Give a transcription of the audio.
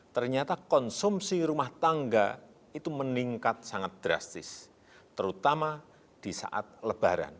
ternyata konsumsi rumah tangga itu meningkat sangat drastis terutama di saat lebaran